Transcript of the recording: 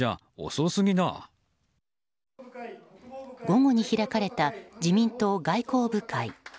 午後に開かれた自民党外交部会。